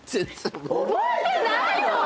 覚えてないの！？